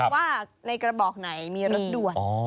ว่าในกระบอกไหนมีรถด่วน